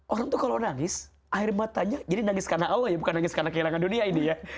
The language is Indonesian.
orang tuh kalau nangis air matanya jadi nangis karena allah ya bukan nangis karena kehilangan dunia ini ya